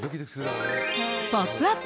「ポップＵＰ！」